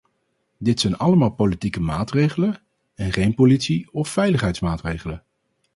Dit zijn allemaal politieke maatregelen, en geen politie- of veiligheidsmaatregelen.